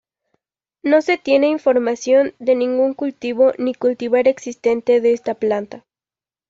No se tiene información de ningún cultivo ni cultivar existente de esta planta.